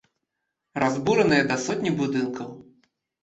Разбураныя да сотні будынкаў.